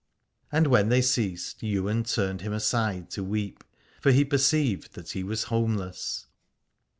And when they ceased Ywain turned him aside to weep, for he perceived that he was homeless.